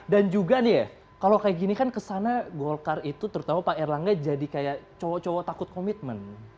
dan juga nih ya kalau kayak gini kan kesana golkar itu terutama pak erlangga jadi kayak cowok cowok takut komitmen